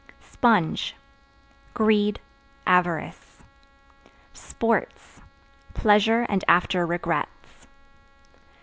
Sponge Greed, avarice. Sports Pleasure and after regrets.